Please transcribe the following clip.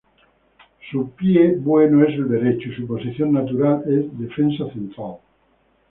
Su pie bueno es el derecho y su posición natural es defensa central.